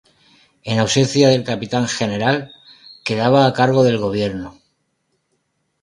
En ausencia del Capitán General, quedaba a cargo del gobierno.